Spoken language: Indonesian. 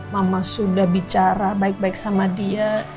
mama sudah bicara baik baik sama dia